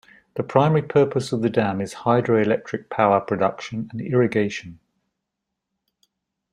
The primary purpose of the dam is hydroelectric power production and irrigation.